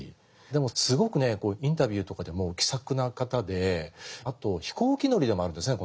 でもすごくねインタビューとかでも気さくな方であと飛行機乗りでもあるんですね